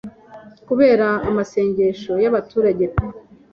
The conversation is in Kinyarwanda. kubera amasengesho y'abaturage pe